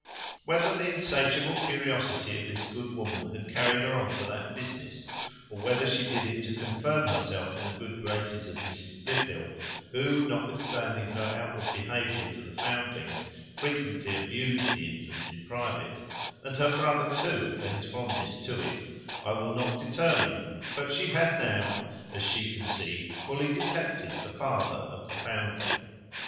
Whether the insatiable curiosity of this good woman had carried her on to that business, or whether she did it to confirm herself in the good graces of Mrs Blifil, who, notwithstanding her outward behaviour to the foundling, frequently abused the infant in private, and her brother too, for his fondness to it, I will not determine; but she had now, as she conceived, fully detected the father of the foundling.